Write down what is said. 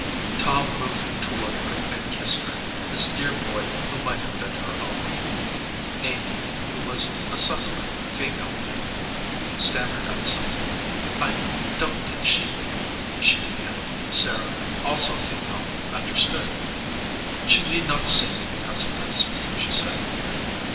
Tom moved toward her and kissed her, this dear boy who might have been her own. Amy, who was a subtler female thing, stam mered out something. "I don t think she " she began. 22 SARAH EDGEWATER Sarah, also female, understood. "She need not see me because of this," she said.